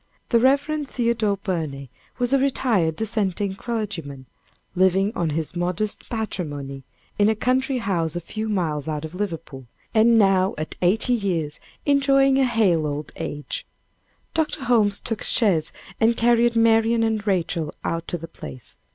The Rev. Theodore Burney was a retired dissenting clergyman, living on his modest patrimony in a country house a few miles out of Liverpool, and now at eighty years enjoying a hale old age. Dr. Holmes took a chaise and carried Marian and Rachel out to the place.